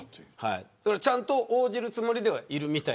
ちゃんと応じるつもりではいるみたい。